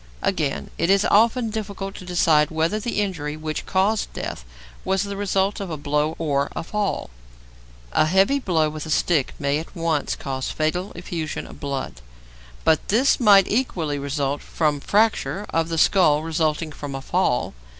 Again, it is often difficult to decide whether the injury which caused death was the result of a blow or a fall. A heavy blow with a stick may at once cause fatal effusion of blood, but this might equally result from fracture of the skull resulting from a fall.